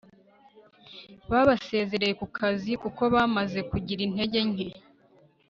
babasezereye kukazi kuko bamaze kugira intege nke